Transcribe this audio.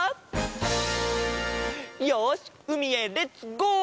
よしうみへレッツゴー！